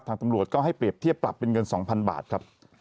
ตำรวจก็ให้เปรียบเทียบปรับเป็นเงิน๒๐๐๐บาทครับ